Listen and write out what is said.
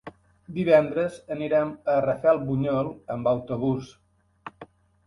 Divendres anirem a Rafelbunyol amb autobús.